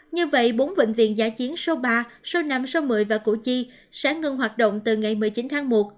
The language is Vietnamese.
như vậy bốn bệnh viện giả chiến số ba số năm số một mươi và củ chi sẽ ngừng hoạt động từ ngày một mươi chín tháng một